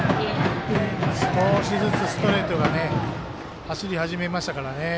少しずつ、ストレートが走り始めましたからね。